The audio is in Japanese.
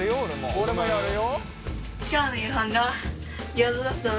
俺もやるよ。